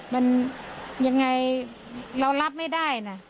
มันยังไงเรารับไม่ได้นะ